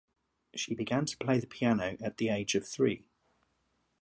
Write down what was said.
She began to play the piano at the age of three.